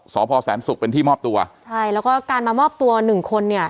สพแสนศุกร์เป็นที่มอบตัวใช่แล้วก็การมามอบตัวหนึ่งคนเนี่ย